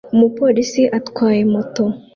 Umupolisi atwaye moto